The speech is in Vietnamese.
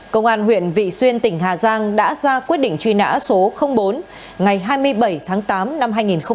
công an huyện vị xuyên tỉnh hà giang đã ra quyết định truy nã số bốn ngày hai mươi bảy tháng tám năm hai nghìn một mươi ba